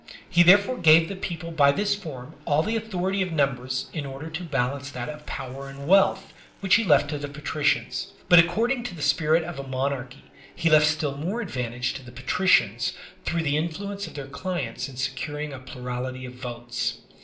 He therefore gave the people by this form all the authority of numbers in order to balance that of power and wealth, which he left to the patricians. But, accord ing to the spirit of a monarchy, he left still more advan tage to the patricians through the influence of their clients in securing a plurality of votes.